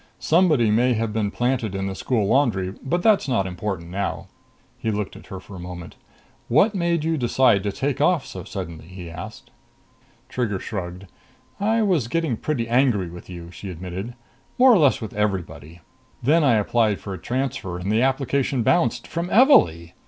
Somebody may have been planted in the school laundry, but that's not important now." He looked at her for a moment. "What made you decide to take off so suddenly?" he asked. Trigger shrugged. "I was getting pretty angry with you," she admitted. "More or less with everybody. Then I applied for a transfer, and the application bounced from Evalee!